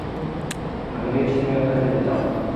আমি দেখছি তুমি ওখানে যেতে চাও।